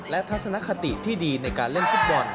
และทัศนคติที่ดีในการเล่นฟุตบอล